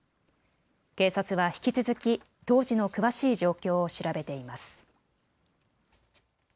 警察は引き続き当時の詳しい状況を調べています。